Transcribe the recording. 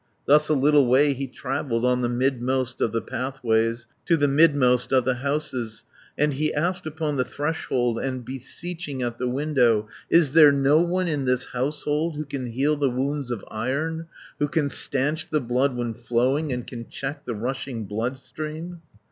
Thus a little way he travelled, 240 On the midmost of the pathways, To the midmost of the houses, And he asked upon the threshold, And beseeching at the window, "Is there no one in this household, Who can heal the wounds of iron, Who can stanch the blood when flowing, And can check the rushing bloodstream?"